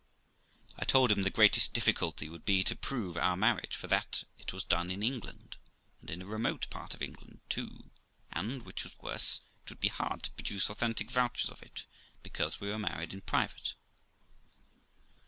I told him the greatest difficulty would be to prove our marriage, for that it was done in England, and in a remote part of England too ; and, which was worse, it would be hard to produce authentic vouchers of it, because we were married in private.